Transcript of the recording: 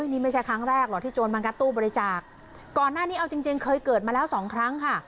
นี่ไม่ใช่ครั้งแรกหรอกที่โจรมางัดตู้บริจาคก่อนหน้านี้เอาจริงจริงเคยเกิดมาแล้วสองครั้งค่ะ